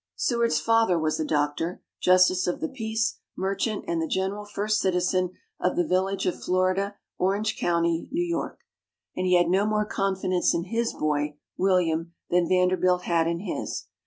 Seward's father was a doctor, justice of the peace, merchant, and the general first citizen of the village of Florida, Orange County, New York. And he had no more confidence in his boy William than Vanderbilt had in his.